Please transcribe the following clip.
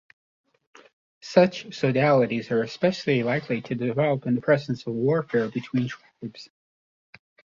Such sodalities are especially likely to develop in the presence of warfare between tribes.